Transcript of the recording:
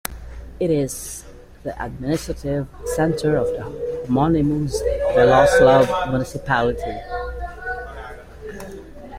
It is the administrative centre of the homonymous Beloslav Municipality.